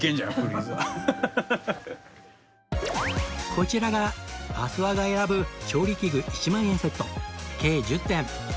こちらが阿諏訪が選ぶ調理器具１万円セット計１０点